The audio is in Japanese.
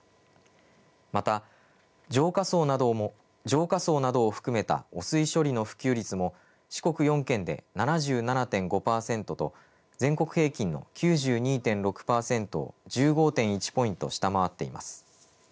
また浄化槽などを含めた汚水処理の普及率も四国４県で７７．５％と全国平均の９２．６％を１５．１ポイント下回っています。